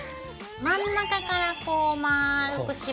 真ん中からこうまるくしぼって。